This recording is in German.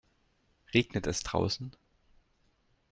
Regnet es draußen?